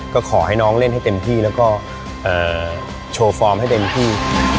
ก็ขอให้น้องเล่นให้เต็มที่แล้วก็โชว์ฟอร์มให้เต็มที่